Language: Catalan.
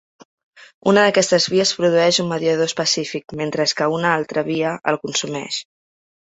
Una d'aquestes vies produeix un mediador específic, mentre que una altra via el consumeix.